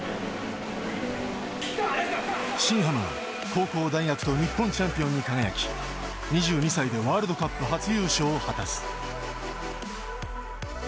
新濱は高校、大学と日本チャンピオンに輝き２２歳でワールドカップ初優勝を果たす。